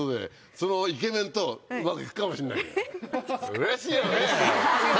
うれしいよね？